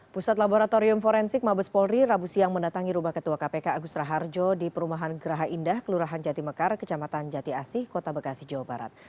pusat laboratorium forensik mabes polri rabu siang mendatangi rumah ketua kpk agus raharjo di perumahan geraha indah kelurahan jatimekar kecamatan jati asih kota bekasi jawa barat